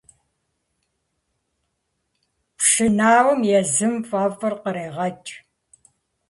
Пшынауэм езым фӀэфӀыр кърегъэкӀ.